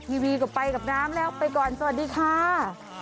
ทีวีก็ไปกับน้ำแล้วไปก่อนสวัสดีค่ะ